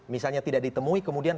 misalnya tidak ditemui kemudian